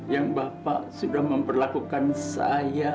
yang bapak sudah memperlakukan saya